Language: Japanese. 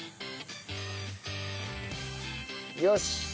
よし！